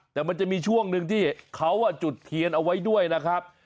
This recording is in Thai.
แต่มันจะมีช่วงหนึ่งที่เขาจุดเทียนเอาไว้ด้วยนะครับ